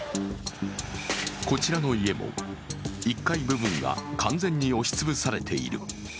こちらの家も１階部分が完全に押し潰されている。